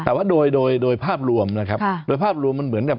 แต่ว่าโดยโดยภาพรวมนะครับโดยภาพรวมมันเหมือนกับ